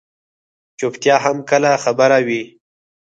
چُپتیا هم کله خبره وي.